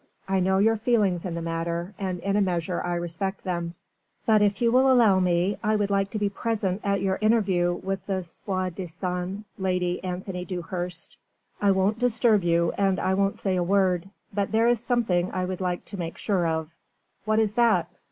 I know your feelings in the matter and in a measure I respect them. But if you will allow me I would like to be present at your interview with the soi disant Lady Anthony Dewhurst. I won't disturb you and I won't say a word ... but there is something I would like to make sure of...." "What is that?"